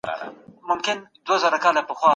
زموږ هېواد د سیمه ییزو سیالیو ښکار کیدل نه غواړي.